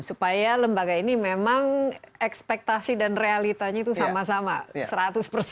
supaya lembaga ini memang ekspektasi dan realitanya itu sama sama